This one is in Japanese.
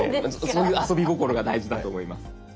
そういう遊び心が大事だと思います。